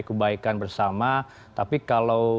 kebaikan bersama tapi kalau